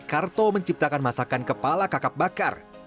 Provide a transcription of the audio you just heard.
karto menciptakan masakan kepala kakap bakar